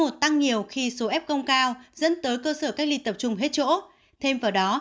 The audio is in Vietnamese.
f một tăng nhiều khi số f cao dẫn tới cơ sở cách ly tập trung hết chỗ thêm vào đó